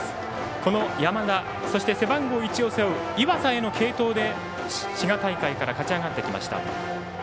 この山田、背番号１を背負う岩佐への継投で滋賀大会から勝ち上がってきました。